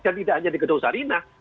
dan tidak hanya di gedung sarinah